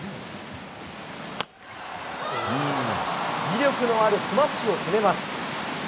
威力のあるスマッシュを決めます。